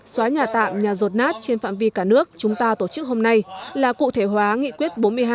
xóa nhà tạm nhà rột nát trên phạm vi cả nước chúng ta tổ chức hôm nay là cụ thể hóa nghị quyết bốn mươi hai